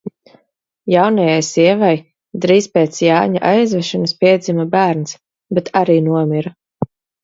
Jaunajai sievai, drīz pēc Jāņa aizvešanas piedzima bērns, bet arī nomira.